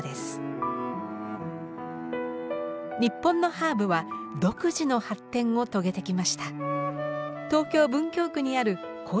日本のハーブは独自の発展を遂げてきました。